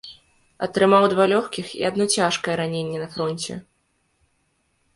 Атрымаў два лёгкіх і адно цяжкае раненне на фронце.